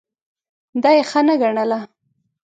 دا یې ښه نه ګڼله.